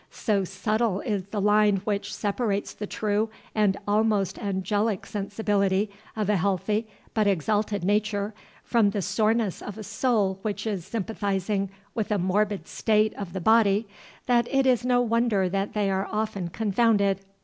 So subtile is the line which separates the true and almost angelic sensibility of a healthy, but exalted nature, from the soreness of a soul which is sympathizing with a morbid state of the body that it is no wonder they are often confounded.